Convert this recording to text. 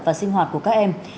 và sinh hoạt của các em